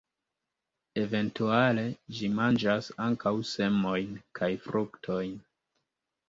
Eventuale ĝi manĝas ankaŭ semojn kaj fruktojn.